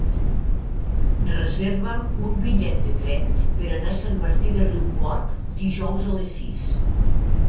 Reserva'm un bitllet de tren per anar a Sant Martí de Riucorb dijous a les sis.